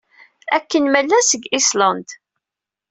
Akken ma llan seg Island.